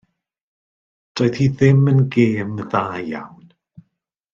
Doedd hi ddim yn gêm dda iawn.